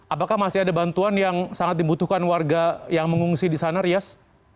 apakah masih ada bantuan yang sangat dibutuhkan warga yang mengungsi di sana rias